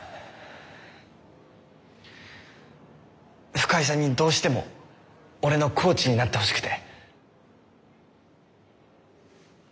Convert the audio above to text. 深井さんにどうしても俺のコーチになってほしくて。